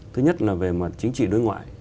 thứ nhất là về mặt chính trị đối ngoại